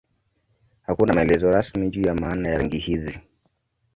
Hakuna maelezo rasmi juu ya maana ya rangi hizi.